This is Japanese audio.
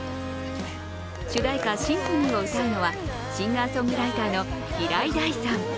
主題歌「Ｓｙｍｐｈｏｎｙ」を歌うのはシンガーソングライターの平井大さん。